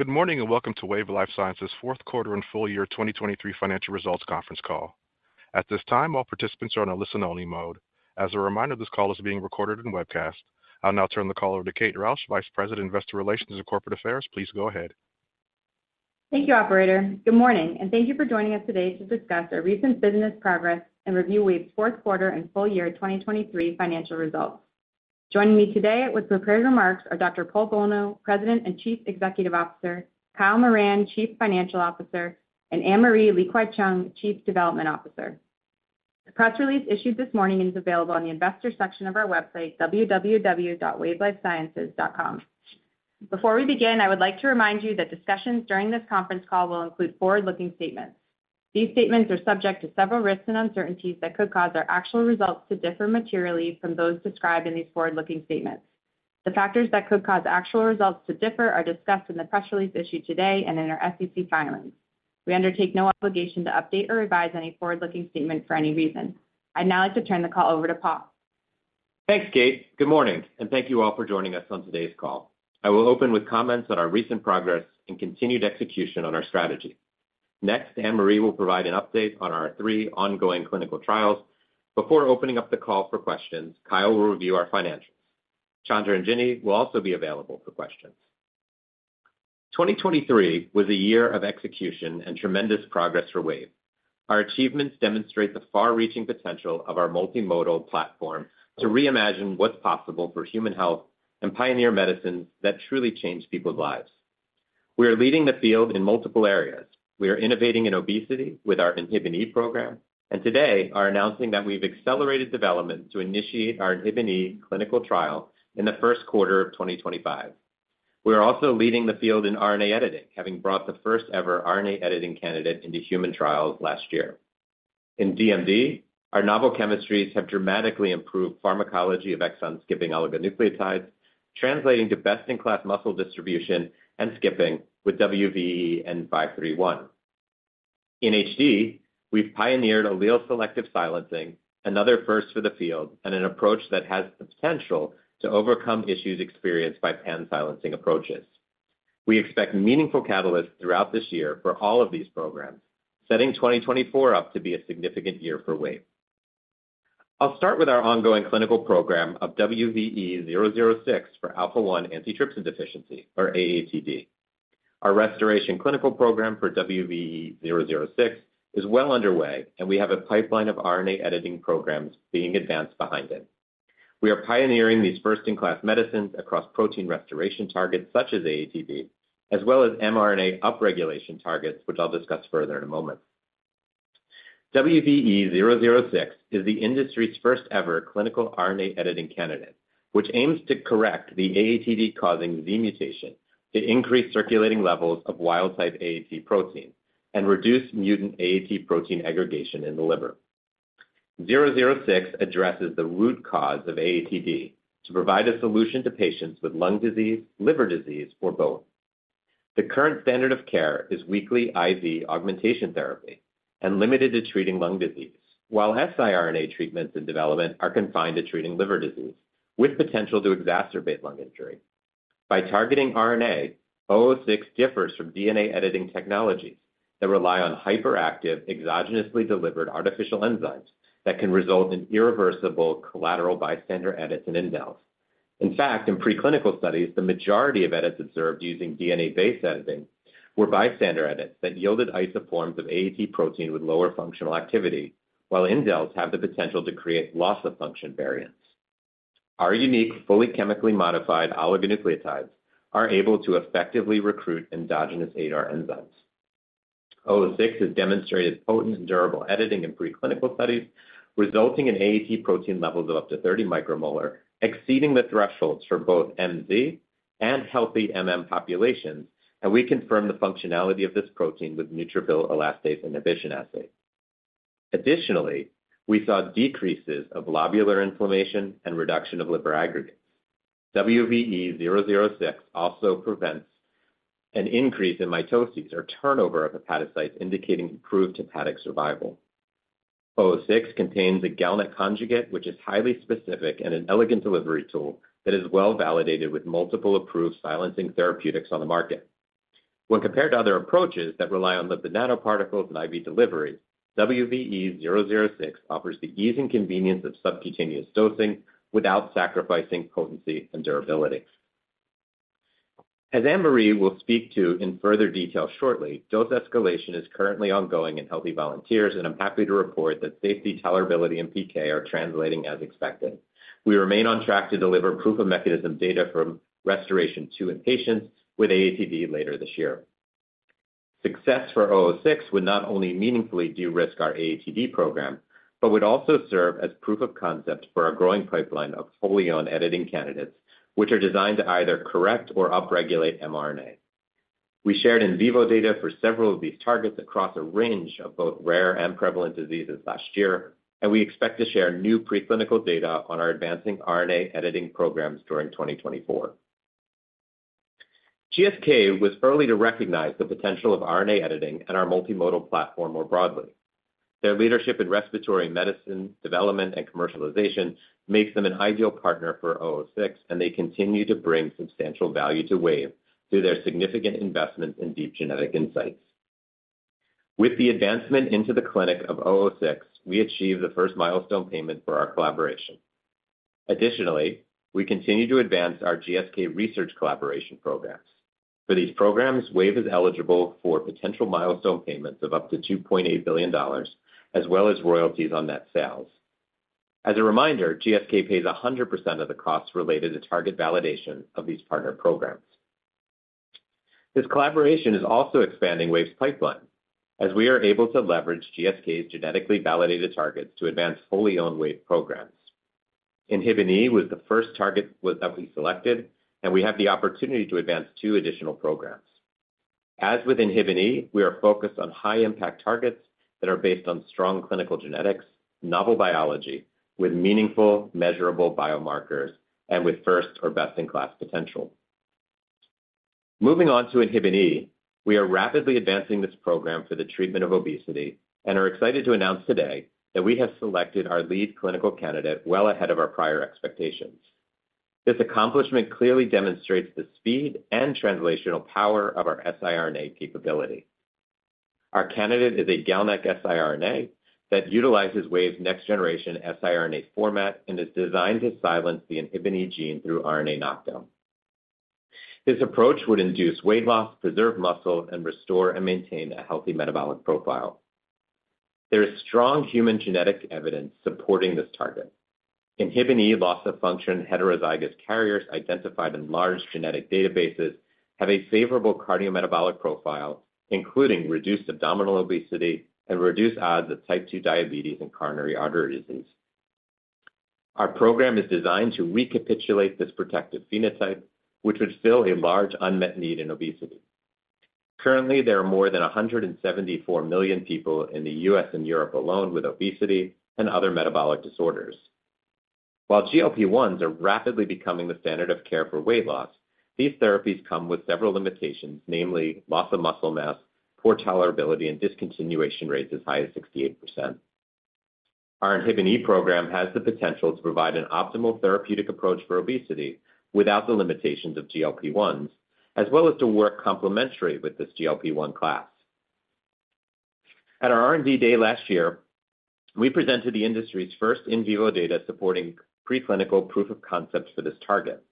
Good morning and welcome to Wave Life Sciences' fourth quarter and full year 2023 financial results conference call. At this time, all participants are on a listen-only mode. As a reminder, this call is being recorded and webcast. I'll now turn the call over to Kate Rausch, Vice President, Investor Relations and Corporate Affairs. Please go ahead. Thank you, Operator. Good morning, and thank you for joining us today to discuss our recent business progress and review Wave's fourth quarter and full year 2023 financial results. Joining me today with prepared remarks are Dr. Paul Bolno, President and Chief Executive Officer, Kyle Moran, Chief Financial Officer, and Anne-Marie Li-Kwai-Cheung, Chief Development Officer. The press release issued this morning is available on the Investor section of our website, www.wavelifesciences.com. Before we begin, I would like to remind you that discussions during this conference call will include forward-looking statements. These statements are subject to several risks and uncertainties that could cause our actual results to differ materially from those described in these forward-looking statements. The factors that could cause actual results to differ are discussed in the press release issued today and in our SEC filings. We undertake no obligation to update or revise any forward-looking statement for any reason. I'd now like to turn the call over to Paul. Thanks, Kate. Good morning, and thank you all for joining us on today's call. I will open with comments on our recent progress and continued execution on our strategy. Next, Anne-Marie will provide an update on our three ongoing clinical trials. Before opening up the call for questions, Kyle will review our financials. Chandra and Ginny will also be available for questions. 2023 was a year of execution and tremendous progress for Wave. Our achievements demonstrate the far-reaching potential of our multimodal platform to reimagine what's possible for human health and pioneer medicines that truly change people's lives. We are leading the field in multiple areas. We are innovating in obesity with our INHBE program, and today are announcing that we've accelerated development to initiate our INHBE clinical trial in the first quarter of 2025. We are also leading the field in RNA editing, having brought the first-ever RNA editing candidate into human trials last year. In DMD, our novel chemistries have dramatically improved pharmacology of exon-skipping oligonucleotides, translating to best-in-class muscle distribution and skipping with WVE-N531. In HD, we've pioneered allele selective silencing, another first for the field, and an approach that has the potential to overcome issues experienced by pan-silencing approaches. We expect meaningful catalysts throughout this year for all of these programs, setting 2024 up to be a significant year for Wave. I'll start with our ongoing clinical program of WVE-006 for alpha-1 antitrypsin deficiency, or AATD. Our RestorAATion clinical program for WVE-006 is well underway, and we have a pipeline of RNA editing programs being advanced behind it. We are pioneering these first-in-class medicines across protein restoration targets such as AATD, as well as mRNA upregulation targets, which I'll discuss further in a moment. WVE-006 is the industry's first-ever clinical RNA editing candidate, which aims to correct the AATD-causing Z mutation to increase circulating levels of wild-type AAT protein and reduce mutant AAT protein aggregation in the liver. WVE-006 addresses the root cause of AATD to provide a solution to patients with lung disease, liver disease, or both. The current standard of care is weekly IV augmentation therapy and limited to treating lung disease, while siRNA treatments in development are confined to treating liver disease with potential to exacerbate lung injury. By targeting RNA, WVE-006 differs from DNA editing technologies that rely on hyperactive, exogenously delivered artificial enzymes that can result in irreversible collateral bystander edits and indels. In fact, in preclinical studies, the majority of edits observed using DNA-based editing were bystander edits that yielded isoforms of AAT protein with lower functional activity, while indels have the potential to create loss-of-function variants. Our unique, fully chemically modified oligonucleotides are able to effectively recruit endogenous ADAR enzymes. WVE-006 has demonstrated potent and durable editing in preclinical studies, resulting in AAT protein levels of up to 30 micromolar, exceeding the thresholds for both MZ and healthy populations, and we confirmed the functionality of this protein with neutrophil elastase inhibition assays. Additionally, we saw decreases of lobular inflammation and reduction of liver aggregates. WVE-006 also prevents an increase in mitoses, or turnover, of hepatocytes indicating improved hepatic survival. WVE-006 contains a GalNAc conjugate, which is highly specific and an elegant delivery tool that is well validated with multiple approved silencing therapeutics on the market. When compared to other approaches that rely on lipid nanoparticles and IV delivery, WVE-006 offers the ease and convenience of subcutaneous dosing without sacrificing potency and durability. As Anne-Marie will speak to in further detail shortly, dose escalation is currently ongoing in healthy volunteers, and I'm happy to report that safety, tolerability, and PK are translating as expected. We remain on track to deliver proof-of-mechanism data from RestorAATion-2 in patients with AATD later this year. Success for 006 would not only meaningfully de-risk our AATD program but would also serve as proof of concept for our growing pipeline of fully-owned editing candidates, which are designed to either correct or upregulate mRNA. We shared in vivo data for several of these targets across a range of both rare and prevalent diseases last year, and we expect to share new preclinical data on our advancing RNA editing programs during 2024. GSK was early to recognize the potential of RNA editing and our multimodal platform more broadly. Their leadership in respiratory medicine development and commercialization makes them an ideal partner for 006, and they continue to bring substantial value to Wave through their significant investments in deep genetic insights. With the advancement into the clinic of 006, we achieved the first milestone payment for our collaboration. Additionally, we continue to advance our GSK research collaboration programs. For these programs, Wave is eligible for potential milestone payments of up to $2.8 billion, as well as royalties on net sales. As a reminder, GSK pays 100% of the costs related to target validation of these partner programs. This collaboration is also expanding Wave's pipeline, as we are able to leverage GSK's genetically validated targets to advance fully-owned Wave programs. INHBE was the first target that we selected, and we have the opportunity to advance two additional programs. As with INHBE, we are focused on high-impact targets that are based on strong clinical genetics, novel biology, with meaningful, measurable biomarkers, and with first or best-in-class potential. Moving on to INHBE, we are rapidly advancing this program for the treatment of obesity and are excited to announce today that we have selected our lead clinical candidate well ahead of our prior expectations. This accomplishment clearly demonstrates the speed and translational power of our siRNA capability. Our candidate is a GalNAc siRNA that utilizes Wave's next-generation siRNA format and is designed to silence the INHBE gene through RNA knockdown. This approach would induce weight loss, preserve muscle, and restore and maintain a healthy metabolic profile. There is strong human genetic evidence supporting this target. INHBE loss-of-function heterozygous carriers identified in large genetic databases have a favorable cardiometabolic profile, including reduced abdominal obesity and reduced odds of type 2 diabetes and coronary artery disease. Our program is designed to recapitulate this protective phenotype, which would fill a large unmet need in obesity. Currently, there are more than 174 million people in the U.S. and Europe alone with obesity and other metabolic disorders. While GLP-1s are rapidly becoming the standard of care for weight loss, these therapies come with several limitations, namely loss of muscle mass, poor tolerability, and discontinuation rates as high as 68%. Our INHBE program has the potential to provide an optimal therapeutic approach for obesity without the limitations of GLP-1s, as well as to work complementary with this GLP-1 class. At our R&D day last year, we presented the industry's first in vivo data supporting preclinical proof of concept for this target.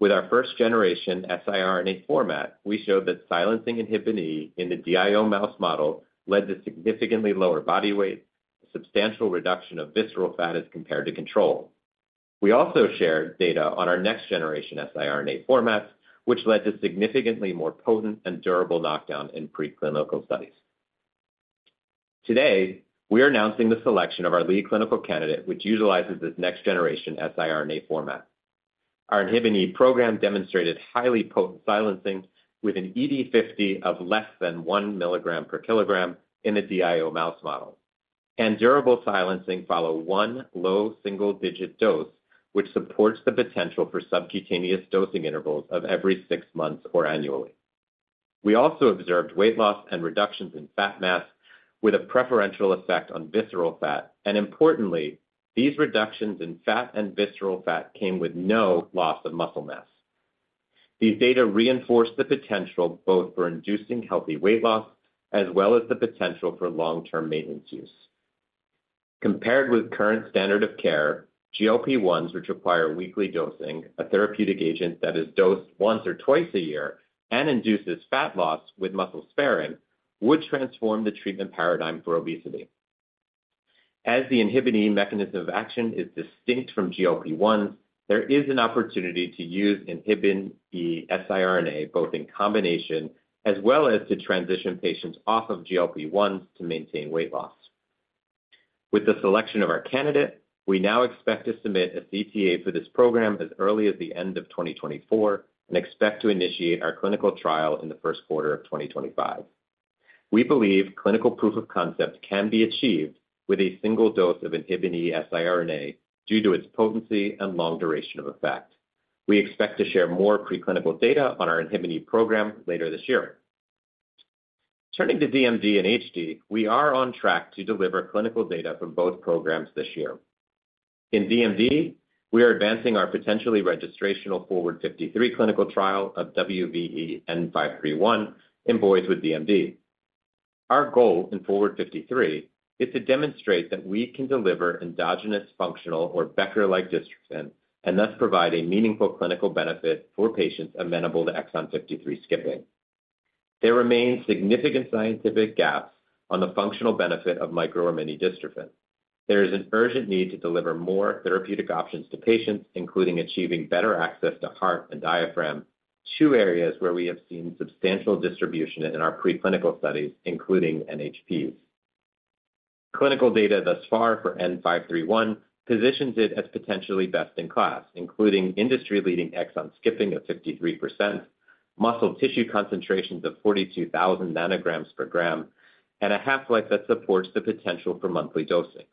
With our first-generation siRNA format, we showed that silencing INHBE in the DIO mouse model led to significantly lower body weight, a substantial reduction of visceral fat as compared to control. We also shared data on our next-generation siRNA formats, which led to significantly more potent and durable knockdown in preclinical studies. Today, we are announcing the selection of our lead clinical candidate, which utilizes this next-generation siRNA format. Our INHBE program demonstrated highly potent silencing with an ED50 of less than 1 milligram per kilogram in the DIO mouse model, and durable silencing followed one low single-digit dose, which supports the potential for subcutaneous dosing intervals of every six months or annually. We also observed weight loss and reductions in fat mass with a preferential effect on visceral fat, and importantly, these reductions in fat and visceral fat came with no loss of muscle mass. These data reinforced the potential both for inducing healthy weight loss as well as the potential for long-term maintenance use. Compared with current standard of care, GLP-1s, which require weekly dosing, a therapeutic agent that is dosed once or twice a year and induces fat loss with muscle sparing, would transform the treatment paradigm for obesity. As the INHBE mechanism of action is distinct from GLP-1s, there is an opportunity to use INHBE siRNA both in combination as well as to transition patients off of GLP-1s to maintain weight loss. With the selection of our candidate, we now expect to submit a CTA for this program as early as the end of 2024 and expect to initiate our clinical trial in the first quarter of 2025. We believe clinical proof of concept can be achieved with a single dose of INHBE siRNA due to its potency and long duration of effect. We expect to share more preclinical data on our INHBE program later this year. Turning to DMD and HD, we are on track to deliver clinical data from both programs this year. In DMD, we are advancing our potentially registrational Forward-53 clinical trial of WVE-N531 in boys with DMD. Our goal in Forward-53 is to demonstrate that we can deliver endogenous functional or Becker-like dystrophin and thus provide a meaningful clinical benefit for patients amenable to exon-53 skipping. There remain significant scientific gaps on the functional benefit of micro or mini dystrophin. There is an urgent need to deliver more therapeutic options to patients, including achieving better access to heart and diaphragm, two areas where we have seen substantial distribution in our preclinical studies, including NHPs. Clinical data thus far for WVE-N531 positions it as potentially best-in-class, including industry-leading exon skipping of 53%, muscle tissue concentrations of 42,000 nanograms per gram, and a half-life that supports the potential for monthly dosing.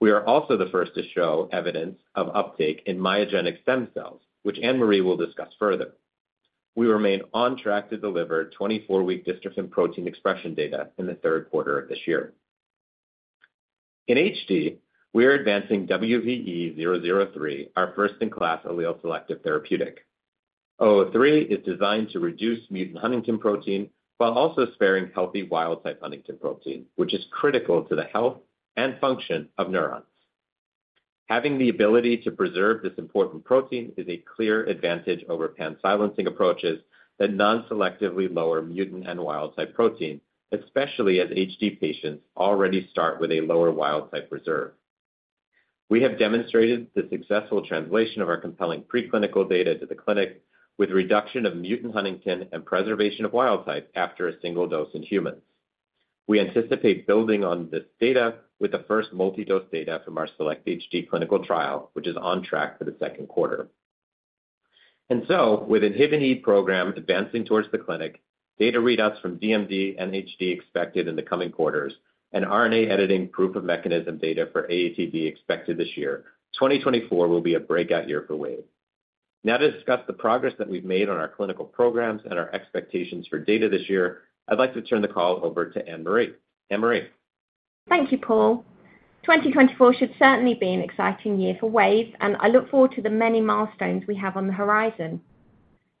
We are also the first to show evidence of uptake in myogenic stem cells, which Anne-Marie will discuss further. We remain on track to deliver 24-week dystrophin protein expression data in the third quarter of this year. In HD, we are advancing WVE-003, our first-in-class allele-selective therapeutic. WVE-003 is designed to reduce mutant huntingtin protein while also sparing healthy wild-type huntingtin protein, which is critical to the health and function of neurons. Having the ability to preserve this important protein is a clear advantage over pan-silencing approaches that non-selectively lower mutant and wild-type protein, especially as HD patients already start with a lower wild-type reserve. We have demonstrated the successful translation of our compelling preclinical data to the clinic with reduction of mutant huntingtin and preservation of wild-type after a single dose in humans. We anticipate building on this data with the first multi-dose data from our SELECT-HD clinical trial, which is on track for the second quarter. And so, with INHBE program advancing towards the clinic, data readouts from DMD and HD expected in the coming quarters, and RNA editing proof-of-mechanism data for AATD expected this year, 2024 will be a breakout year for Wave. Now, to discuss the progress that we've made on our clinical programs and our expectations for data this year, I'd like to turn the call over to Anne-Marie. Anne-Marie. Thank you, Paul. 2024 should certainly be an exciting year for Wave, and I look forward to the many milestones we have on the horizon.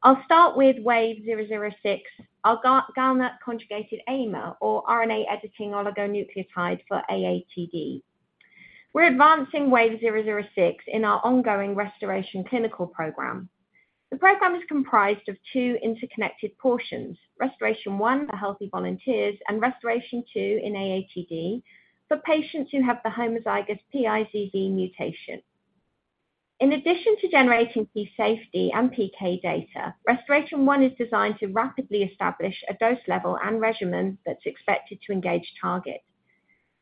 I'll start with WVE-006, our GalNAc conjugated AAT, or RNA editing oligonucleotide for AATD. We're advancing WVE-006 in our ongoing RestorAATion clinical program. The program is comprised of two interconnected portions: RestorAATion-1, the healthy volunteers, and RestorAATion-2 in AATD for patients who have the homozygous Pi*ZZ mutation. In addition to generating key safety and PK data, RestorAATion-1 is designed to rapidly establish a dose level and regimen that's expected to engage target.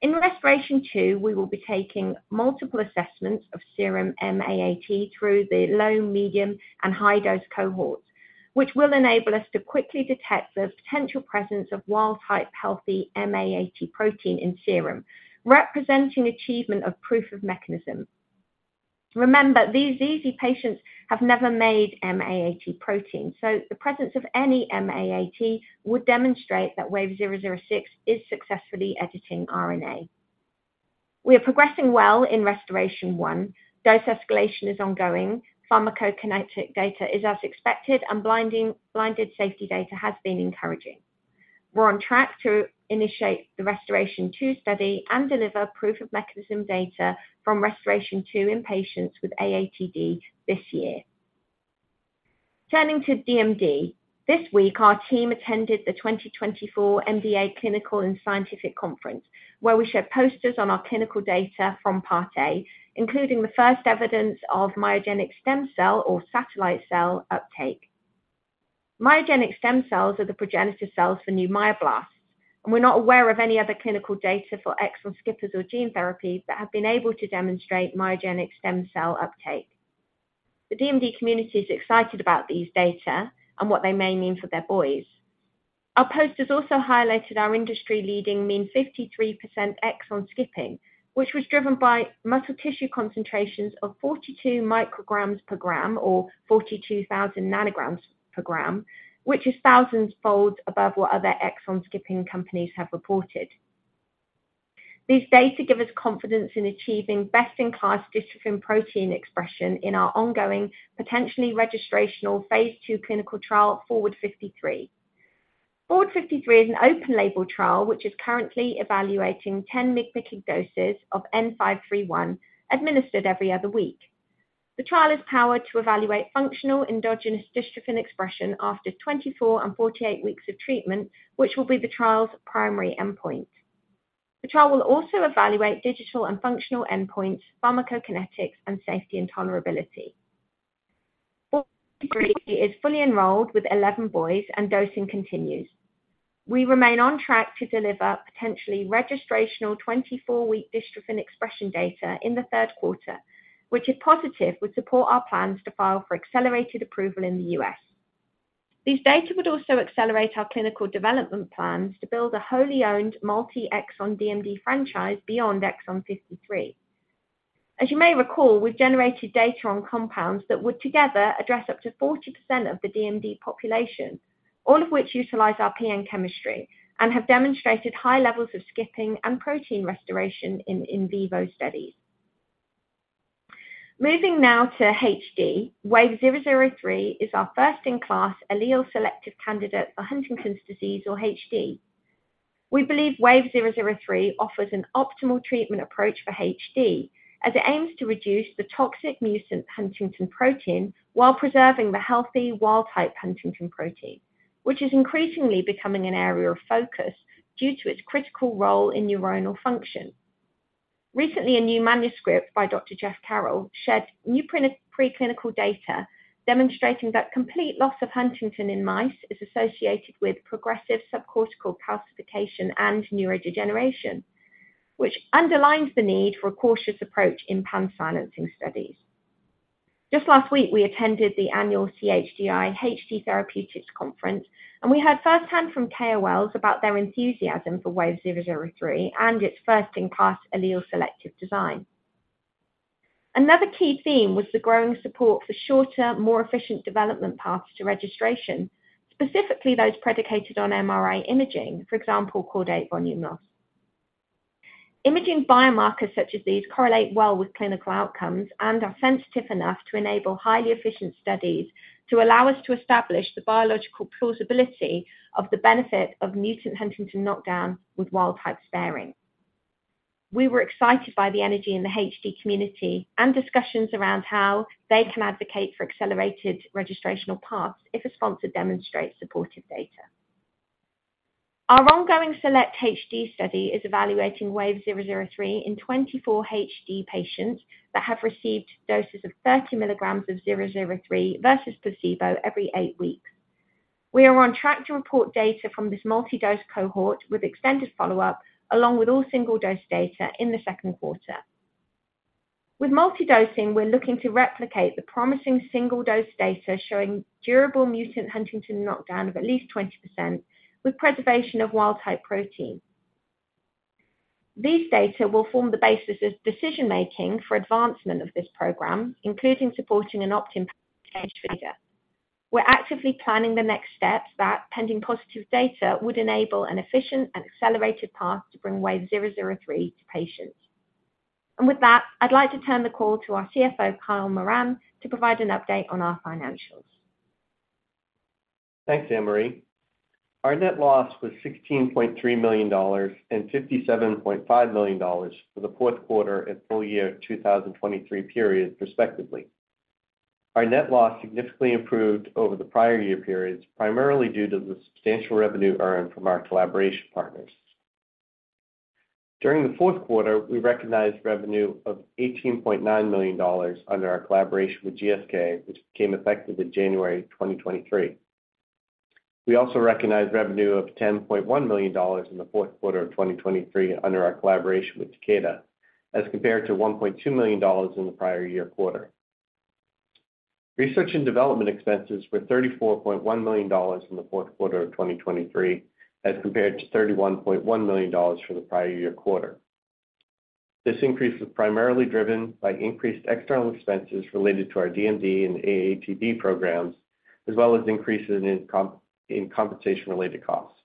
In RestorAATion-2, we will be taking multiple assessments of serum M-AAT through the low, medium, and high-dose cohorts, which will enable us to quickly detect the potential presence of wild-type healthy M-AAT protein in serum, representing achievement of proof of mechanism. Remember, these AATD patients have never made M-AAT protein, so the presence of any M-AAT would demonstrate that WVE-006 is successfully editing RNA. We are progressing well in RestorAATion-1. Dose escalation is ongoing. Pharmacokinetic data is as expected, and blinded safety data has been encouraging. We're on track to initiate the RestorAATion-2 study and deliver proof-of-mechanism data from RestorAATion-2 in patients with AATD this year. Turning to DMD, this week our team attended the 2024 MDA Clinical and Scientific Conference, where we shared posters on our clinical data from Part A, including the first evidence of myogenic stem cell or satellite cell uptake. Myogenic stem cells are the progenitor cells for new myoblasts, and we're not aware of any other clinical data for exon skippers or gene therapy that have been able to demonstrate myogenic stem cell uptake. The DMD community is excited about these data and what they may mean for their boys. Our posters also highlighted our industry-leading mean 53% exon skipping, which was driven by muscle tissue concentrations of 42 micrograms per gram or 42,000 nanograms per gram, which is thousands folds above what other exon skipping companies have reported. These data give us confidence in achieving best-in-class dystrophin protein expression in our ongoing, potentially registrational phase II clinical trial, Forward-53. Forward-53 is an open-label trial which is currently evaluating 10 mg/kg doses of N531 administered every other week. The trial is powered to evaluate functional endogenous dystrophin expression after 24 and 48 weeks of treatment, which will be the trial's primary endpoint. The trial will also evaluate digital and functional endpoints, pharmacokinetics, and safety and tolerability. Forward-53 is fully enrolled with 11 boys, and dosing continues. We remain on track to deliver potentially registrational 24-week dystrophin expression data in the third quarter, which, if positive, would support our plans to file for accelerated approval in the U.S. These data would also accelerate our clinical development plans to build a wholly-owned multi-exon DMD franchise beyond exon 53. As you may recall, we've generated data on compounds that would together address up to 40% of the DMD population, all of which utilize our PN chemistry and have demonstrated high levels of skipping and protein RestorAATion in in vivo studies. Moving now to HD, WVE-003 is our first-in-class allele-selective candidate for Huntington's disease, or HD. We believe WVE-003 offers an optimal treatment approach for HD as it aims to reduce the toxic mutant huntingtin protein while preserving the healthy wild-type huntingtin protein, which is increasingly becoming an area of focus due to its critical role in neuronal function. Recently, a new manuscript by Dr. Jeff Carroll shared new preclinical data demonstrating that complete loss of huntingtin in mice is associated with progressive subcortical calcification and neurodegeneration, which underlines the need for a cautious approach in pan-silencing studies. Just last week, we attended the annual CHDI HD Therapeutics Conference, and we heard firsthand from KOLs about their enthusiasm for WVE-003 and its first-in-class allele-selective design. Another key theme was the growing support for shorter, more efficient development paths to registration, specifically those predicated on MRI imaging, for example, caudate volume loss. Imaging biomarkers such as these correlate well with clinical outcomes and are sensitive enough to enable highly efficient studies to allow us to establish the biological plausibility of the benefit of mutant huntingtin knockdown with wild-type sparing. We were excited by the energy in the HD community and discussions around how they can advocate for accelerated registrational paths if a sponsor demonstrates supportive data. Our ongoing SELECT-HD study is evaluating WVE-003 in 24 HD patients that have received doses of 30 milligrams of WVE-003 versus placebo every eight weeks. We are on track to report data from this multi-dose cohort with extended follow-up along with all single-dose data in the second quarter. With multi-dosing, we're looking to replicate the promising single-dose data showing durable mutant huntingtin knockdown of at least 20% with preservation of wild-type protein. These data will form the basis of decision-making for advancement of this program, including supporting an opt-in package for either. We're actively planning the next steps that, pending positive data, would enable an efficient and accelerated path to bring WVE-003 to patients. And with that, I'd like to turn the call to our CFO, Kyle Moran, to provide an update on our financials. Thanks, Anne-Marie. Our net loss was $16.3 million and $57.5 million for the fourth quarter and full year 2023 period, respectively. Our net loss significantly improved over the prior year periods, primarily due to the substantial revenue earned from our collaboration partners. During the fourth quarter, we recognized revenue of $18.9 million under our collaboration with GSK, which became effective in January 2023. We also recognized revenue of $10.1 million in the fourth quarter of 2023 under our collaboration with Takeda as compared to $1.2 million in the prior year quarter. Research and development expenses were $34.1 million in the fourth quarter of 2023 as compared to $31.1 million for the prior year quarter. This increase was primarily driven by increased external expenses related to our DMD and AATD programs, as well as increases in compensation-related costs.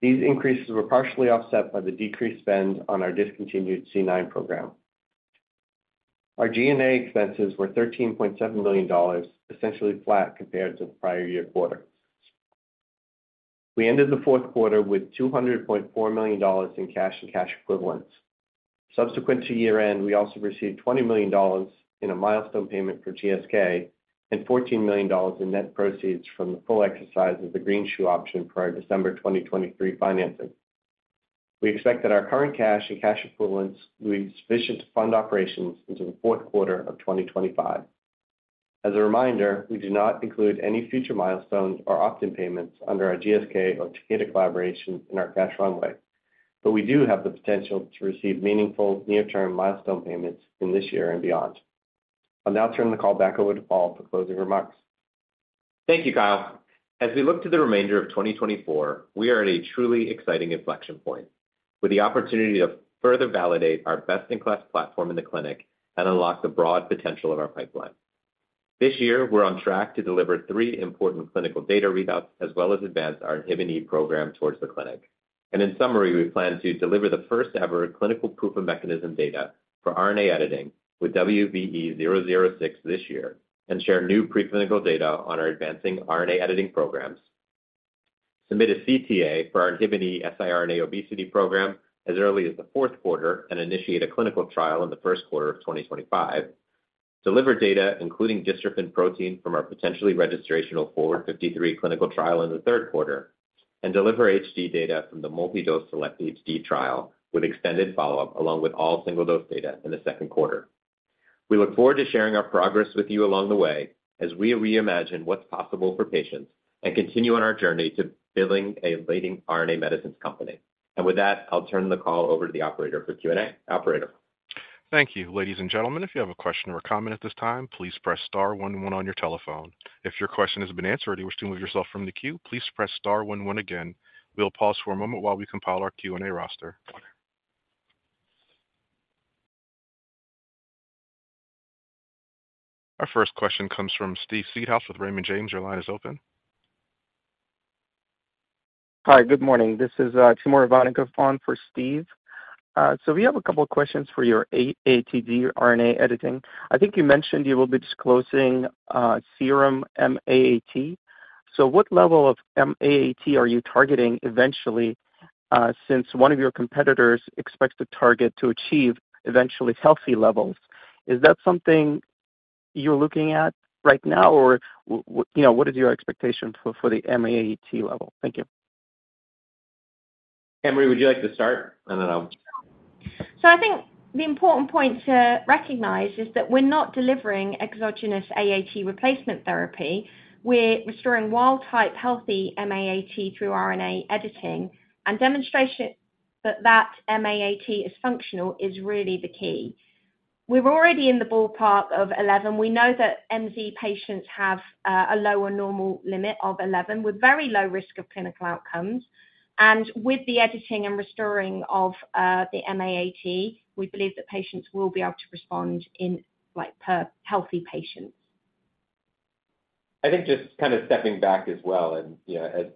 These increases were partially offset by the decreased spend on our discontinued C9 program. Our G&A expenses were $13.7 million, essentially flat compared to the prior year quarter. We ended the fourth quarter with $200.4 million in cash and cash equivalents. Subsequent to year-end, we also received $20 million in a milestone payment for GSK and $14 million in net proceeds from the full exercise of the greenshoe option for our December 2023 financing. We expect that our current cash and cash equivalents will be sufficient to fund operations into the fourth quarter of 2025. As a reminder, we do not include any future milestones or opt-in payments under our GSK or Takeda collaboration in our cash runway, but we do have the potential to receive meaningful near-term milestone payments in this year and beyond. I'll now turn the call back over to Paul for closing remarks. Thank you, Kyle. As we look to the remainder of 2024, we are at a truly exciting inflection point with the opportunity to further validate our best-in-class platform in the clinic and unlock the broad potential of our pipeline. This year, we're on track to deliver three important clinical data readouts as well as advance our INHBE program towards the clinic. And in summary, we plan to deliver the first-ever clinical proof-of-mechanism data for RNA editing with WVE-006 this year and share new preclinical data on our advancing RNA editing programs. Submit a CTA for our INHBE siRNA obesity program as early as the fourth quarter and initiate a clinical trial in the first quarter of 2025. Deliver data, including dystrophin protein, from our potentially registrational Forward-53 clinical trial in the third quarter, and deliver HD data from the multi-dose SELECT-HD trial with extended follow-up along with all single-dose data in the second quarter. We look forward to sharing our progress with you along the way as we reimagine what's possible for patients and continue on our journey to building a leading RNA medicines company. And with that, I'll turn the call over to the operator for Q&A. Operator. Thank you. Ladies and gentlemen, if you have a question or a comment at this time, please press star one one on your telephone. If your question has been answered or you wish to move yourself from the queue, please press star one one again. We'll pause for a moment while we compile our Q&A roster. Our first question comes from Steve Seedhouse with Raymond James. Your line is open. Hi, good morning. This is Timur Ivannikov on for Steve. So we have a couple of questions for your AATD RNA editing. I think you mentioned you will be disclosing serum M-AAT. So what level of M-AAT are you targeting eventually since one of your competitors expects to target to achieve eventually healthy levels? Is that something you're looking at right now, or what is your expectation for the M-AAT level? Thank you. Anne-Marie, would you like to start, and then I'll. So I think the important point to recognize is that we're not delivering exogenous AAT replacement therapy. We're restoring wild-type healthy M-AAT through RNA editing, and demonstration that that M-AAT is functional is really the key. We're already in the ballpark of 11. We know that MZ patients have a lower normal limit of 11 with very low risk of clinical outcomes. And with the editing and restoring of the M-AAT, we believe that patients will be able to respond per healthy patients. I think just kind of stepping back as well, and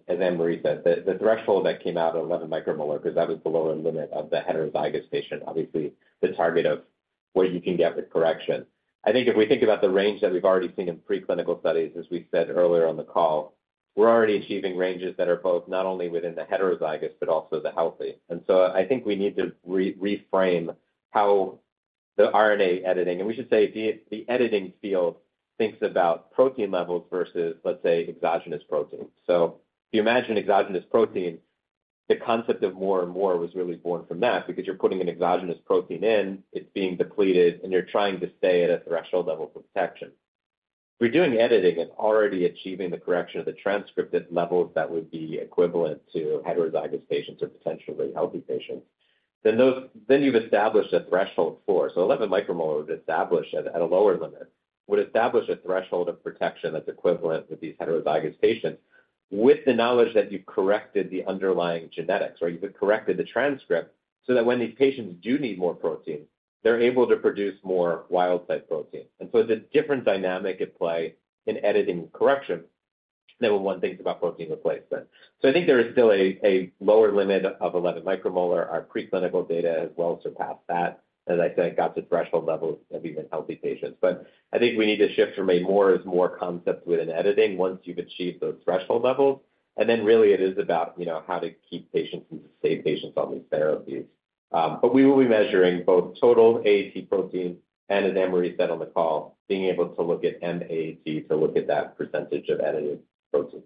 as Anne-Marie said, the threshold that came out of 11 micromolar, that was the lower limit of the heterozygous patient, obviously the target of what you can get with correction. I think if we think about the range that we've already seen in preclinical studies, as we said earlier on the call, we're already achieving ranges that are both not only within the heterozygous but also the healthy. And so I think we need to reframe how the RNA editing and we should say the editing field thinks about protein levels versus, let's say, exogenous protein. So if you imagine exogenous protein, the concept of more and more was really born from that because you're putting an exogenous protein in, it's being depleted, and you're trying to stay at a threshold level for protection. If you're doing editing and already achieving the correction of the transcript at levels that would be equivalent to heterozygous patients or potentially healthy patients, then you've established a threshold. For so 11 micromolar would establish at a lower limit, would establish a threshold of protection that's equivalent with these heterozygous patients with the knowledge that you've corrected the underlying genetics, right? You've corrected the transcript so that when these patients do need more protein, they're able to produce more wild-type protein. And so it's a different dynamic at play in editing correction than when one thinks about protein replacement. So I think there is still a lower limit of 11 micromolar. Our preclinical data has well surpassed that, as I said, got to threshold levels of even healthy patients. But I think we need to shift from a more is more concept within editing once you've achieved those threshold levels. And then really, it is about how to keep patients and save patients on these therapies. But we will be measuring both total AAT protein and, as Anne-Marie said on the call, being able to look at M-AAT to look at that percentage of edited protein.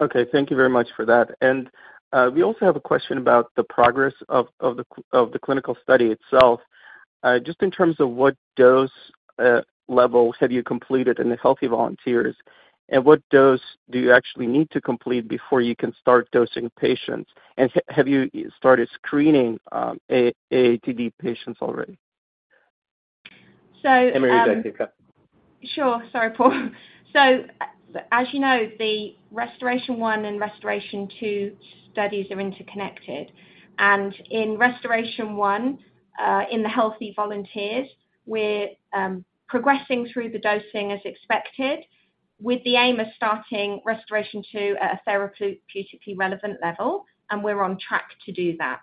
Okay. Thank you very much for that. And we also have a question about the progress of the clinical study itself. Just in terms of what dose level have you completed in the healthy volunteers, and what dose do you actually need to complete before you can start dosing patients? And have you started screening AATD patients already? So Anne-Marie, did I cut? Sure. Sorry, Paul. So as you know, the RestorAATion-1 and RestorAATion-2 studies are interconnected. In RestorAATion-1, in the healthy volunteers, we're progressing through the dosing as expected with the aim of starting RestorAATion-2 at a therapeutically relevant level. We're on track to do that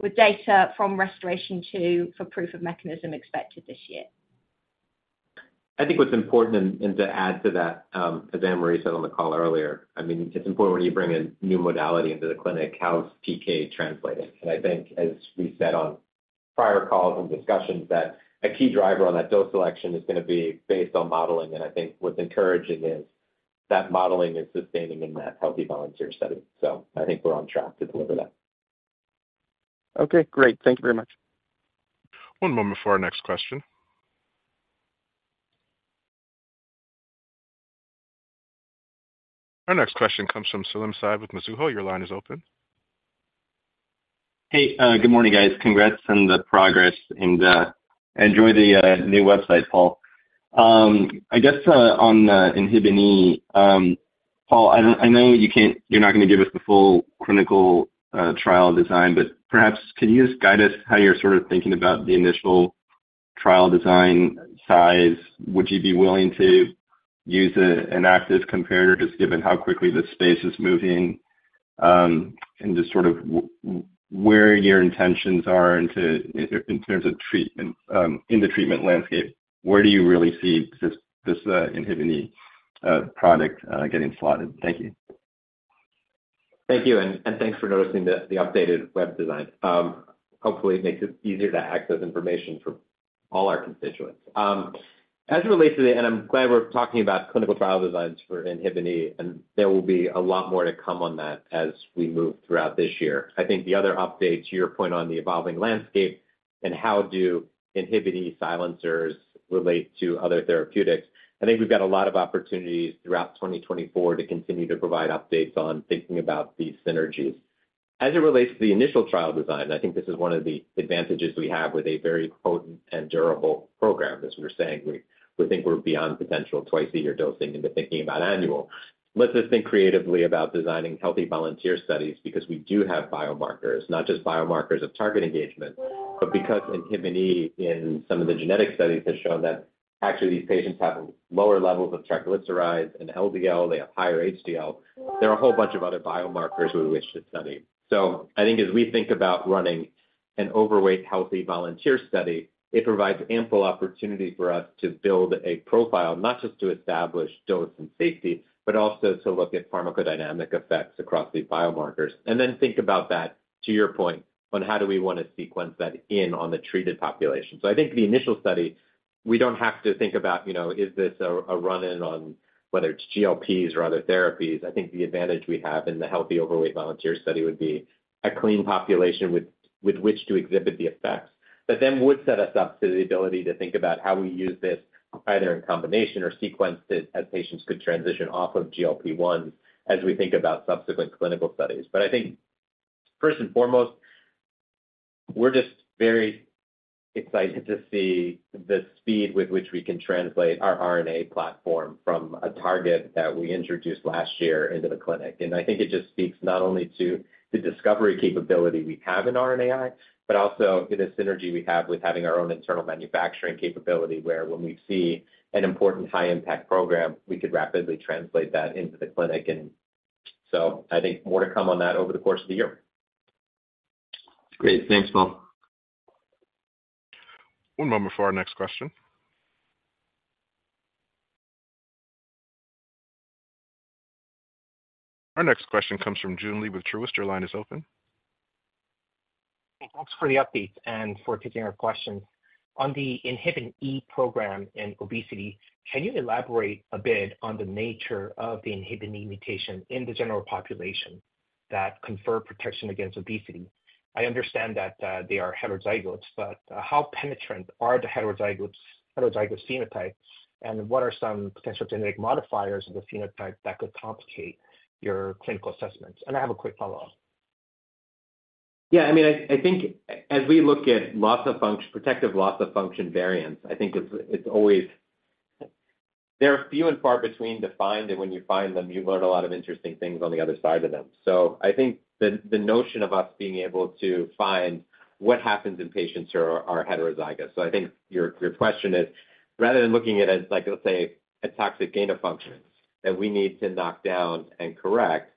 with data from RestorAATion-2 for proof-of-mechanism expected this year. I think what's important to add to that, as Anne-Marie said on the call earlier, I mean, it's important when you bring a new modality into the clinic, how's PK translated? I think, as we said on prior calls and discussions, that a key driver on that dose selection is going to be based on modeling. I think what's encouraging is that modeling is sustaining in that healthy volunteer study. So I think we're on track to deliver that. Okay. Great. Thank you very much. One moment for our next question. Our next question comes from Salim Syed with Mizuho. Your line is open. Hey, good morning, guys. Congrats on the progress. And enjoy the new website, Paul. I guess on INHBE, Paul, I know you're not going to give us the full clinical trial design, but perhaps can you just guide us how you're sort of thinking about the initial trial design size? Would you be willing to use an active comparator just given how quickly the space is moving and just sort of where your intentions are in terms of treatment in the treatment landscape? Where do you really see this INHBE product getting slotted? Thank you. Thank you. And thanks for noticing the updated web design. Hopefully, it makes it easier to access information for all our constituents. As it relates to the and I'm glad we're talking about clinical trial designs for INHBE, and there will be a lot more to come on that as we move throughout this year. I think the other updates, your point on the evolving landscape and how do INHBE silencers relate to other therapeutics, I think we've got a lot of opportunities throughout 2024 to continue to provide updates on thinking about these synergies. As it relates to the initial trial design, I think this is one of the advantages we have with a very potent and durable program. As we were saying, we think we're beyond potential twice-a-year dosing into thinking about annual. Let's just think creatively about designing healthy volunteer studies because we do have biomarkers, not just biomarkers of target engagement, but because INHBE in some of the genetic studies has shown that actually, these patients have lower levels of triglycerides and LDL. They have higher HDL. There are a whole bunch of other biomarkers we wish to study. So I think as we think about running an overweight healthy volunteer study, it provides ample opportunity for us to build a profile, not just to establish dose and safety, but also to look at pharmacodynamic effects across the biomarkers and then think about that, to your point, on how do we want to sequence that in on the treated population? So I think the initial study, we don't have to think about, "Is this a run-in on whether it's GLP-1s or other therapies?" I think the advantage we have in the healthy overweight volunteer study would be a clean population with which to exhibit the effects that then would set us up to the ability to think about how we use this either in combination or sequenced it as patients could transition off of GLP-1s as we think about subsequent clinical studies. But I think first and foremost, we're just very excited to see the speed with which we can translate our RNA platform from a target that we introduced last year into the clinic. And I think it just speaks not only to the discovery capability we have in RNAi, but also to the synergy we have with having our own internal manufacturing capability where when we see an important high-impact program, we could rapidly translate that into the clinic. And so I think more to come on that over the course of the year. Great. Thanks, Paul. One moment for our next question. Our next question comes from Joon Lee with Truist. Your line is open. Hey, thanks for the updates and for taking our questions. On the INHBE program in obesity, can you elaborate a bit on the nature of the INHBE mutation in the general population that confer protection against obesity? I understand that they are heterozygous, but how penetrant are the heterozygous phenotypes, and what are some potential genetic modifiers of the phenotype that could complicate your clinical assessments? And I have a quick follow-up. Yeah. I mean, I think as we look at protective loss of function variants, I think it's always they're few and far between to find, and when you find them, you learn a lot of interesting things on the other side of them. So I think the notion of us being able to find what happens in patients who are heterozygous. So I think your question is, rather than looking at it as, let's say, a toxic gain of functions that we need to knock down and correct,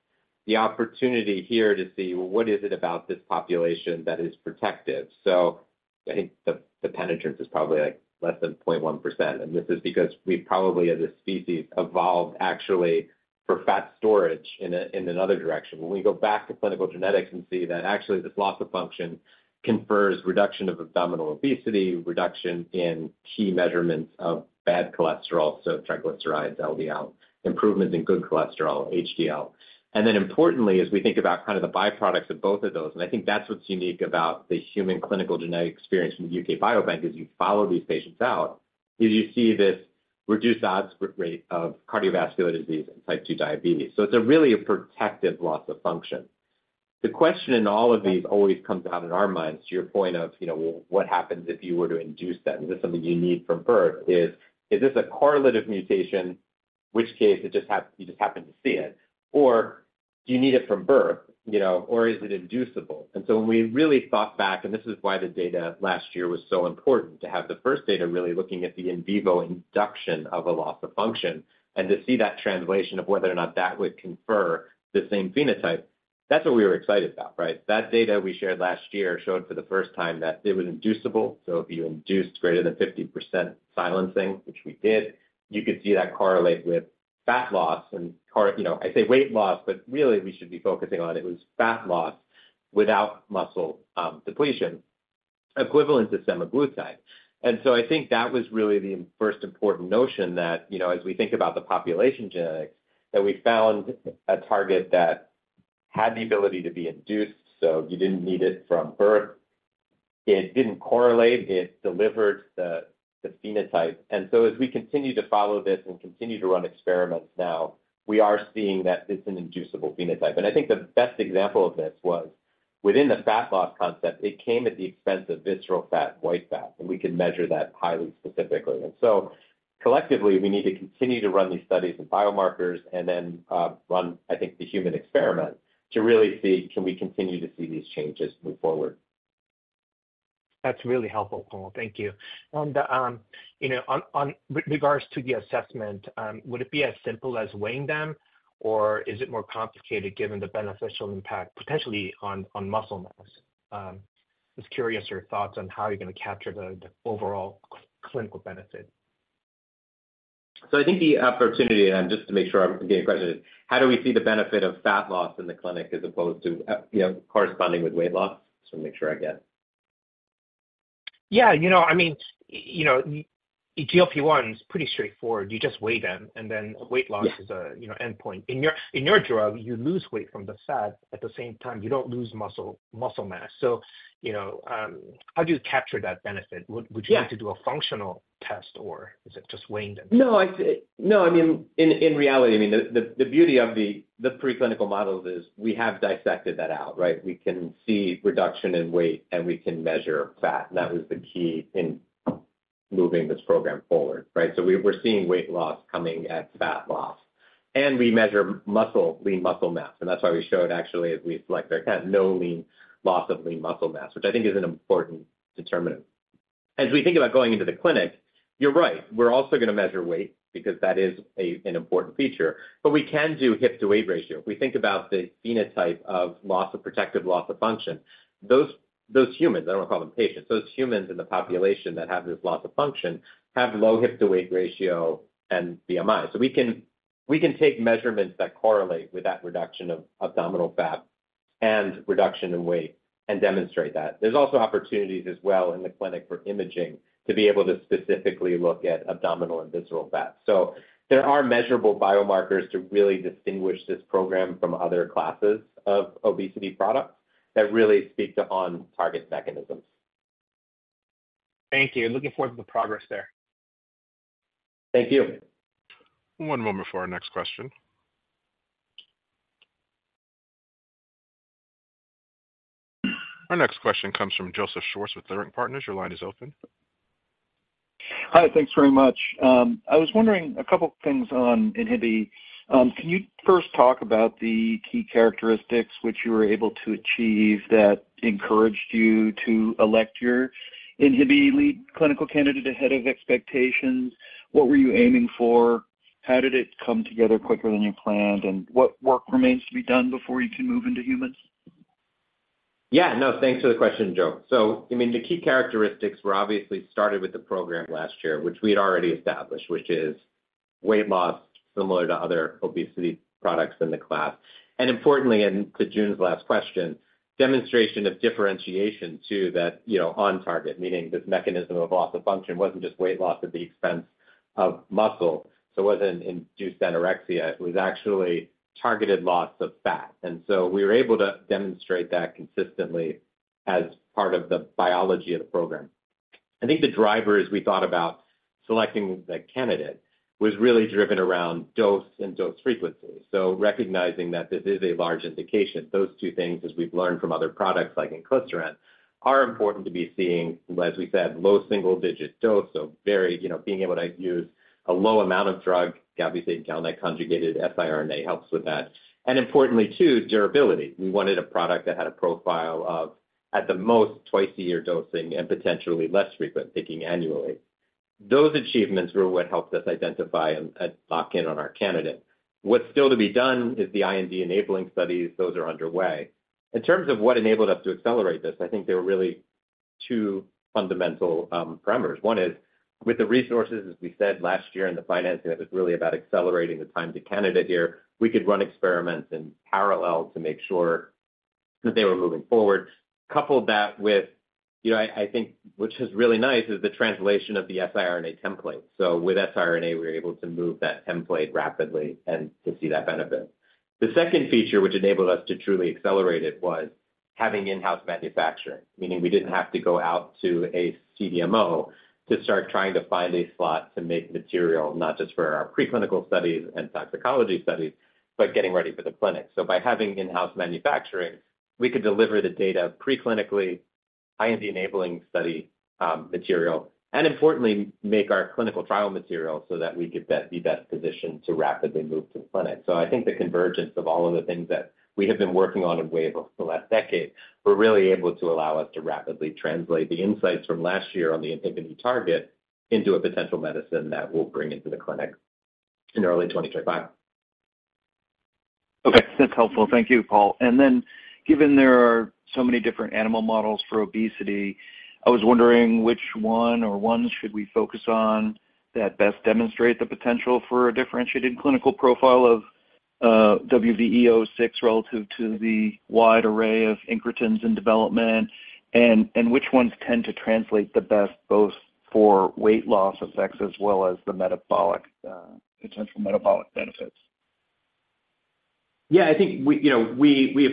the opportunity here to see, "Well, what is it about this population that is protective?" So I think the penetrance is probably less than 0.1%. And this is because we probably, as a species, evolved actually for fat storage in another direction. When we go back to clinical genetics and see that actually, this loss of function confers reduction of abdominal obesity, reduction in key measurements of bad cholesterol, so triglycerides, LDL, improvements in good cholesterol, HDL. And then, importantly, as we think about kind of the byproducts of both of those and I think that's what's unique about the human clinical genetic experience from the U.K. Biobank, is you follow these patients out, is you see this reduced odds rate of cardiovascular disease and type 2 diabetes. So it's really a protective loss of function. The question in all of these always comes out in our minds, to your point of, "Well, what happens if you were to induce that? Is this something you need from birth? Is this a correlative mutation, which case you just happen to see it? Or do you need it from birth, or is it inducible?" And so when we really thought back and this is why the data last year was so important to have the first data really looking at the in vivo induction of a loss of function and to see that translation of whether or not that would confer the same phenotype, that's what we were excited about, right? That data we shared last year showed for the first time that it was inducible. So if you induced greater than 50% silencing, which we did, you could see that correlate with fat loss. And I say weight loss, but really, we should be focusing on, it was fat loss without muscle depletion equivalent to semaglutide. And so I think that was really the first important notion that as we think about the population genetics, that we found a target that had the ability to be induced. So you didn't need it from birth. It didn't correlate. It delivered the phenotype. And so as we continue to follow this and continue to run experiments now, we are seeing that it's an inducible phenotype. And I think the best example of this was within the fat loss concept, it came at the expense of visceral fat, white fat, and we could measure that highly specifically. And so collectively, we need to continue to run these studies and biomarkers and then run, I think, the human experiment to really see, Can we continue to see these changes move forward. That's really helpful, Paul. Thank you. In regards to the assessment, would it be as simple as weighing them, or is it more complicated given the beneficial impact potentially on muscle mass? Just curious your thoughts on how you're going to capture the overall clinical benefit. So I think the opportunity and just to make sure I'm getting the question is, how do we see the benefit of fat loss in the clinic as opposed to corresponding with weight loss? Just want to make sure I get. Yeah. I mean, GLP-1 is pretty straightforward. You just weigh them, and then weight loss is an endpoint. In your drug, you lose weight from the fat. At the same time, you don't lose muscle mass. So how do you capture that benefit? Would you need to do a functional test, or is it just weighing them? No. No. I mean, in reality, I mean, the beauty of the preclinical models is we have dissected that out, right? We can see reduction in weight, and we can measure fat. And that was the key in moving this program forward, right? So we're seeing weight loss coming at fat loss. And we measure lean muscle mass. And that's why we showed, actually, as we select there, kind of no lean loss of lean muscle mass, which I think is an important determinant. As we think about going into the clinic, you're right. We're also going to measure weight because that is an important feature. But we can do hip-to-weight ratio. If we think about the phenotype of protective loss of function, those humans I don't want to call them patients. Those humans in the population that have this loss of function have low hip-to-weight ratio and BMI. So we can take measurements that correlate with that reduction of abdominal fat and reduction in weight and demonstrate that. There's also opportunities as well in the clinic for imaging to be able to specifically look at abdominal and visceral fat. So there are measurable biomarkers to really distinguish this program from other classes of obesity products that really speak to on-target mechanisms. Thank you. Looking forward to the progress there. Thank you. One moment for our next question. Our next question comes from Joe Schwartz with Leerink Partners. Your line is open. Hi. Thanks very much. I was wondering a couple of things on INHBE. Can you first talk about the key characteristics which you were able to achieve that encouraged you to elect your INHBE lead clinical candidate ahead of expectations? What were you aiming for? How did it come together quicker than you planned? And what work remains to be done before you can move into humans? Yeah. No. Thanks for the question, Joe. So I mean, the key characteristics we obviously started with the program last year, which we had already established, which is weight loss similar to other obesity products in the class. And importantly, and to Joon's last question, demonstration of differentiation, too, that on-target, meaning this mechanism of loss of function wasn't just weight loss at the expense of muscle. So it wasn't induced anorexia. It was actually targeted loss of fat. And so we were able to demonstrate that consistently as part of the biology of the program. I think the drivers we thought about selecting the candidate was really driven around dose and dose frequency. So recognizing that this is a large indication, those two things, as we've learned from other products like inclisiran, are important to be seeing, as we said, low single-digit dose. So being able to use a low amount of drug, a GalNAc-conjugated siRNA helps with that. And importantly, too, durability. We wanted a product that had a profile of, at the most, twice-a-year dosing and potentially less frequent, thinking annually. Those achievements were what helped us identify and lock in on our candidate. What's still to be done is the IND-enabling studies. Those are underway. In terms of what enabled us to accelerate this, I think there were really two fundamental parameters. One is with the resources, as we said last year, and the financing, it was really about accelerating the time to candidate here. We could run experiments in parallel to make sure that they were moving forward, coupled that with I think what's just really nice is the translation of the siRNA template. So with siRNA, we were able to move that template rapidly and to see that benefit. The second feature, which enabled us to truly accelerate it, was having in-house manufacturing, meaning we didn't have to go out to a CDMO to start trying to find a slot to make material not just for our preclinical studies and toxicology studies, but getting ready for the clinic. So by having in-house manufacturing, we could deliver the data preclinically, IND-enabling study material, and importantly, make our clinical trial material so that we could be best positioned to rapidly move to the clinic. So I think the convergence of all of the things that we have been working on in Wave Life Sciences' last decade were really able to allow us to rapidly translate the insights from last year on the INHBE target into a potential medicine that we'll bring into the clinic in early 2025. Okay. That's helpful. Thank you, Paul. And then given there are so many different animal models for obesity, I was wondering which one or ones should we focus on that best demonstrate the potential for a differentiated clinical profile of WVE-006 relative to the wide array of incretins in development, and which ones tend to translate the best both for weight loss effects as well as the potential metabolic benefits? Yeah. I think we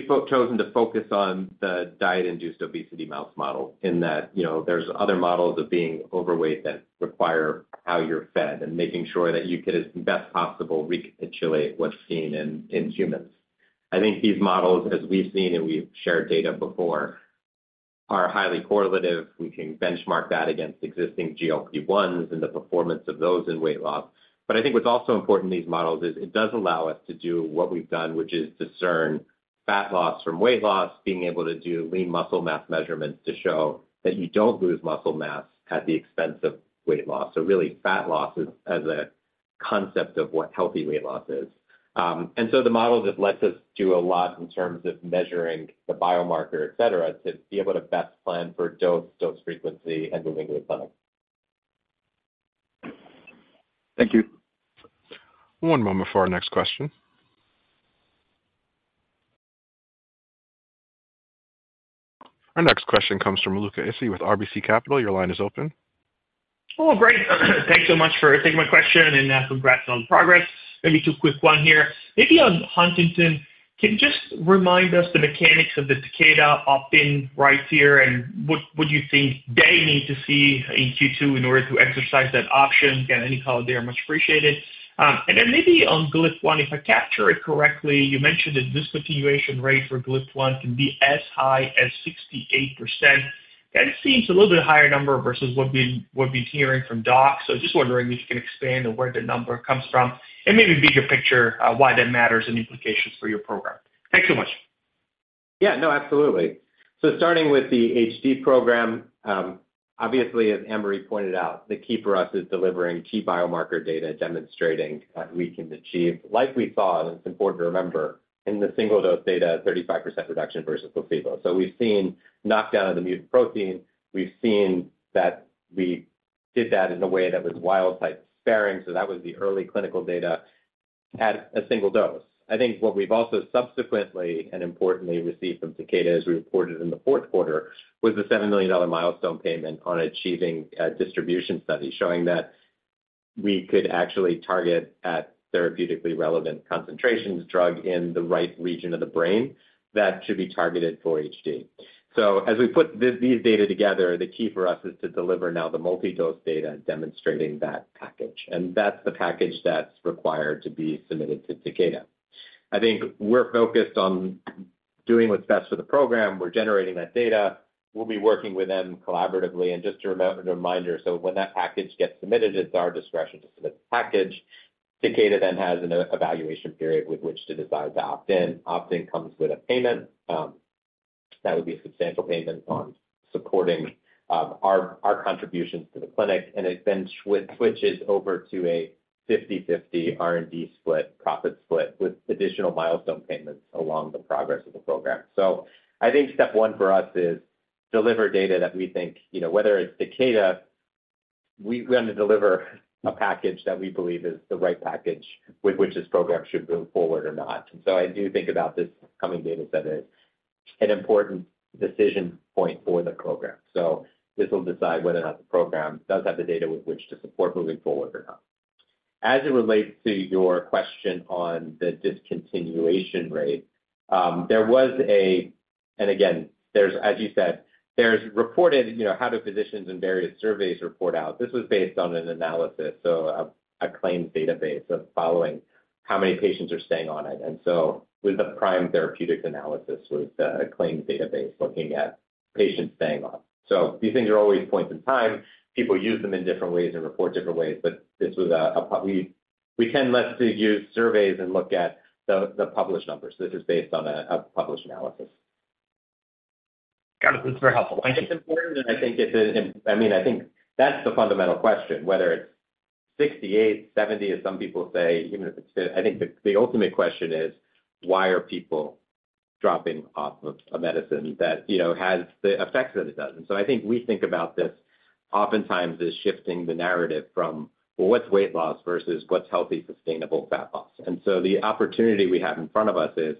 have chosen to focus on the diet-induced obesity mouse model in that there's other models of being overweight that require how you're fed and making sure that you could, as best possible, recapitulate what's seen in humans. I think these models, as we've seen and we've shared data before, are highly correlative. We can benchmark that against existing GLP-1s and the performance of those in weight loss. But I think what's also important in these models is it does allow us to do what we've done, which is discern fat loss from weight loss, being able to do lean muscle mass measurements to show that you don't lose muscle mass at the expense of weight loss. So really, fat loss as a concept of what healthy weight loss is. So the model just lets us do a lot in terms of measuring the biomarker, etc., to be able to best plan for dose, dose frequency, and moving to the clinic. Thank you. One moment for our next question. Our next question comes from Luca Issi with RBC Capital. Your line is open. Oh, great. Thanks so much for taking my question, and congrats on the progress. Maybe two quick one here. Maybe on huntingtin, can you just remind us the mechanics of the Takeda opt-in right here, and what do you think they need to see in Q2 in order to exercise that option? Again, any call there, much appreciated. And then maybe on GLP-1, if I capture it correctly, you mentioned that the discontinuation rate for GLP-1 can be as high as 68%. That seems a little bit higher number versus what we've been hearing from docs. So just wondering if you can expand on where the number comes from and maybe bigger picture, why that matters and implications for your program. Thanks so much. Yeah. No. Absolutely. So starting with the HD program, obviously, as Anne-Marie pointed out, the key for us is delivering key biomarker data demonstrating that we can achieve, like we saw, and it's important to remember, in the single-dose data, 35% reduction versus placebo. So we've seen knockdown of the mutant protein. We've seen that we did that in a way that was wild-type sparing. So that was the early clinical data at a single dose. I think what we've also subsequently and importantly received from Takeda, as we reported in the fourth quarter, was the $7 million milestone payment on achieving a distribution study showing that we could actually target at therapeutically relevant concentrations drug in the right region of the brain that should be targeted for HD. So as we put these data together, the key for us is to deliver now the multidose data demonstrating that package. And that's the package that's required to be submitted to Takeda. I think we're focused on doing what's best for the program. We're generating that data. We'll be working with them collaboratively. And just a reminder, so when that package gets submitted, it's our discretion to submit the package. Takeda then has an evaluation period with which to decide to opt in. Opt-in comes with a payment. That would be a substantial payment on supporting our contributions to the clinic. And it then switches over to a 50/50 R&D split, profit split, with additional milestone payments along the progress of the program. So I think step one for us is deliver data that we think whether it's Takeda, we want to deliver a package that we believe is the right package with which this program should move forward or not. And so I do think about this coming data set as an important decision point for the program. So this will decide whether or not the program does have the data with which to support moving forward or not. As it relates to your question on the discontinuation rate, there was, and again, as you said, there's reported how do physicians and various surveys report out? This was based on an analysis, so a claims database of following how many patients are staying on it. And so with the Prime Therapeutics analysis, it was a claims database looking at patients staying on. So these things are always points in time. People use them in different ways and report different ways. But this was a we tend less to use surveys and look at the published numbers. This is based on a published analysis. Got it. That's very helpful. Thank you. And it's important. And I think it's an I mean, I think that's the fundamental question, whether it's 68, 70, as some people say, even if it's I think the ultimate question is, why are people dropping off of a medicine that has the effects that it doesn't? So, I think we think about this oftentimes as shifting the narrative from, "Well, what's weight loss versus what's healthy, sustainable fat loss?" And so the opportunity we have in front of us is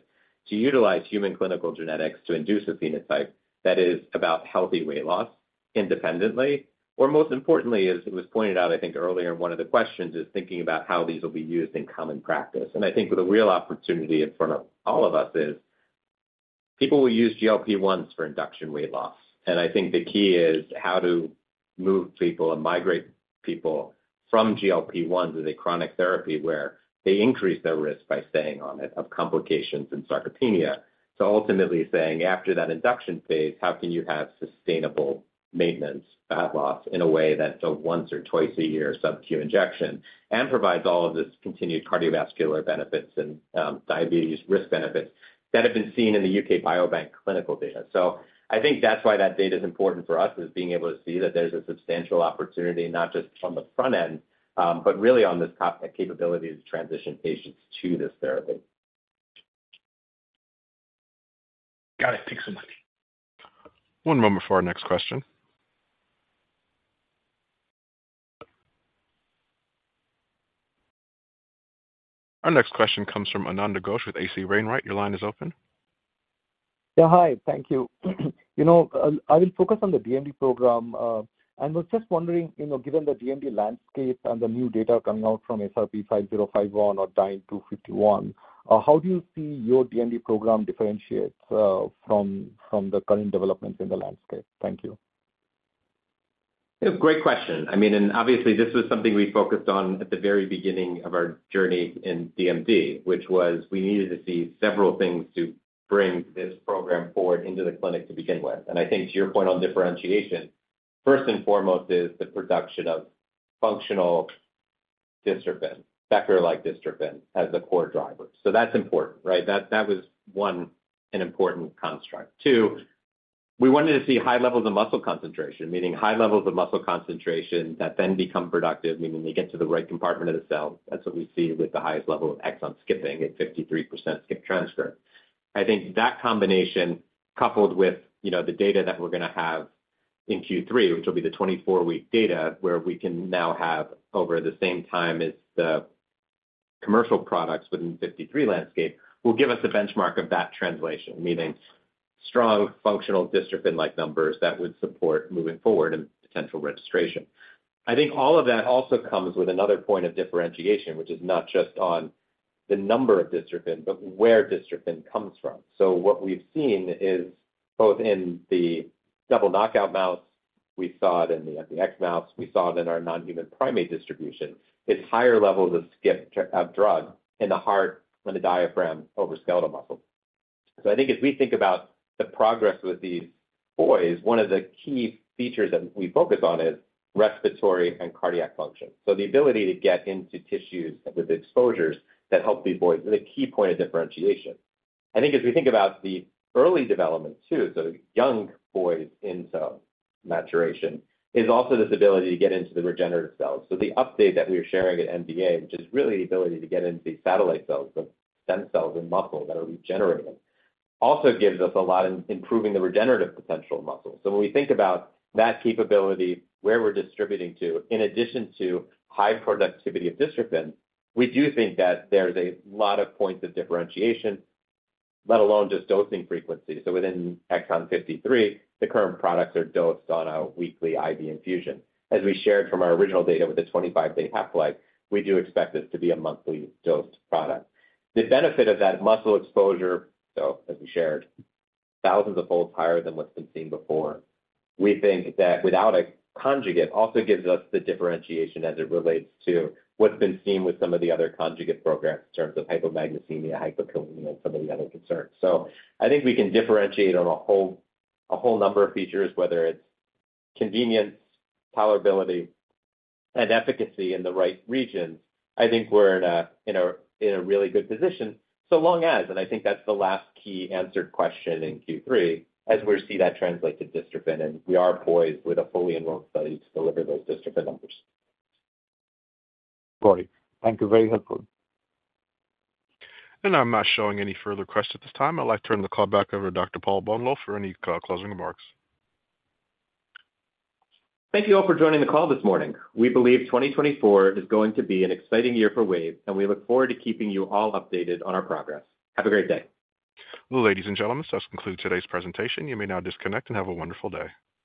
to utilize human clinical genetics to induce a phenotype that is about healthy weight loss independently. Or most importantly, as it was pointed out, I think earlier, in one of the questions, is thinking about how these will be used in common practice. And I think the real opportunity in front of all of us is people will use GLP-1s for induction weight loss. And I think the key is how to move people and migrate people from GLP-1s to the chronic therapy where they increase their risk by staying on it of complications and sarcopenia. So ultimately saying, after that induction phase, how can you have sustainable maintenance fat loss in a way that's a once or twice-a-year sub-Q injection and provides all of this continued cardiovascular benefits and diabetes risk benefits that have been seen in the U.K. Biobank clinical data? So I think that's why that data is important for us, is being able to see that there's a substantial opportunity not just on the front end but really on this capability to transition patients to this therapy. Got it. Thanks so much. One moment for our next question. Our next question comes from Ananda Ghosh with HC Wainwright. Your line is open. Yeah. Hi. Thank you. I will focus on the DMD program. I was just wondering, given the DMD landscape and the new data coming out from SRP-5051 or DYNE-251, how do you see your DMD program differentiate from the current developments in the landscape? Thank you. Great question. I mean, and obviously, this was something we focused on at the very beginning of our journey in DMD, which was we needed to see several things to bring this program forward into the clinic to begin with. And I think to your point on differentiation, first and foremost is the production of functional dystrophin, full-length dystrophin, as a core driver. So that's important, right? That was one, an important construct. Two, we wanted to see high levels of muscle concentration, meaning high levels of muscle concentration that then become productive, meaning they get to the right compartment of the cell. That's what we see with the highest level of exon skipping at 53% skipped transcript. I think that combination, coupled with the data that we're going to have in Q3, which will be the 24-week data where we can now have, over the same time as the commercial products within the 53 landscape, will give us a benchmark of that translation, meaning strong functional dystrophin-like numbers that would support moving forward and potential registration. I think all of that also comes with another point of differentiation, which is not just on the number of dystrophin but where dystrophin comes from. So what we've seen is both in the double knockout mouse we saw it in the mdx mouse, we saw it in our non-human primate distribution, it's higher levels of drug in the heart and the diaphragm over skeletal muscle. So I think as we think about the progress with these boys, one of the key features that we focus on is respiratory and cardiac function. So the ability to get into tissues with exposures that help these boys is a key point of differentiation. I think as we think about the early development too, so young boys into maturation, is also this ability to get into the regenerative cells. So the update that we are sharing at MDA, which is really the ability to get into the satellite cells, the stem cells in muscle that are regenerating, also gives us a lot in improving the regenerative potential of muscle. So when we think about that capability, where we're distributing to, in addition to high productivity of dystrophin, we do think that there's a lot of points of differentiation, let alone just dosing frequency. So within exon 53, the current products are dosed via weekly IV infusion. As we shared from our original data with the 25-day half-life, we do expect this to be a monthly-dosed product. The benefit of that muscle exposure. So as we shared, thousands of folds higher than what's been seen before. We think that without a conjugate also gives us the differentiation as it relates to what's been seen with some of the other conjugate programs in terms of hypomagnesemia, hypokalemia, and some of the other concerns. So I think we can differentiate on a whole number of features, whether it's convenience, tolerability, and efficacy in the right regions. I think we're in a really good position so long as, and I think that's the last key unanswered question in Q3, as we see that translate to dystrophin. We are poised with a fully enrolled study to deliver those dystrophin numbers. Great. Thank you. Very helpful. I'm not showing any further questions at this time. I'd like to turn the call back over to Dr. Paul Bolno for any closing remarks. Thank you all for joining the call this morning. We believe 2024 is going to be an exciting year for Wave, and we look forward to keeping you all updated on our progress. Have a great day. Well, ladies and gentlemen, so that concludes today's presentation. You may now disconnect and have a wonderful day.